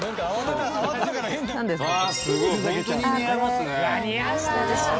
「わすごい。